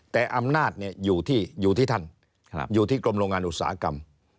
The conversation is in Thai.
แต่อำนาจอยู่ที่อยู่ที่ท่านอยู่ที่กรมโรงงานอุตสาหกรรม